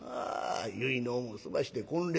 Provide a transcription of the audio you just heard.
結納も済まして婚礼。